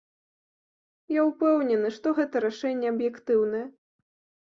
Я ўпэўнены, што гэта рашэнне аб'ектыўнае.